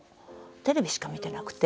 テレビしか見てなくて。